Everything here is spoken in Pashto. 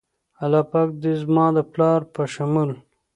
الله پاک د زما د پلار په شمول